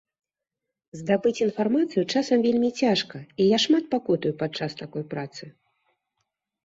Здабыць інфармацыю часам вельмі цяжка, і я шмат пакутую падчас такой працы.